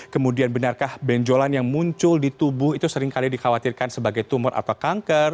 kemudian benarkah benjolan yang muncul di tubuh itu seringkali dikhawatirkan sebagai tumor atau kanker